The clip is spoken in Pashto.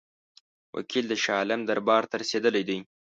وکیل د شاه عالم دربار ته رسېدلی دی.